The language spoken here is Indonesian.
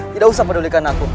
tidak usah pedulikan aku